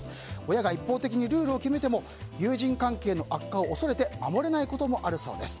親が一方的にルールを決めても友人関係の悪化を恐れて守れないこともあるそうです。